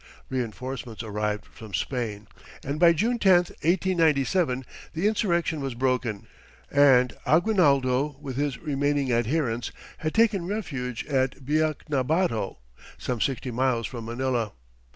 Reinforcements arrived from Spain, and by June 10, 1897, the insurrection was broken, and Aguinaldo with his remaining adherents had taken refuge at Biacnabato, some sixty miles from Manila.